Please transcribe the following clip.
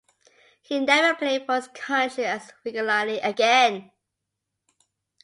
He never played for his country as regularly again.